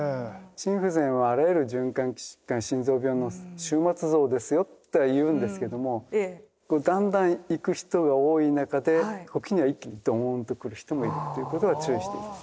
心不全はあらゆる循環器疾患心臓病の終末像ですよとはいうんですけどもこうだんだん行く人が多い中で時には一気にドーンと来る人もいるということは注意して。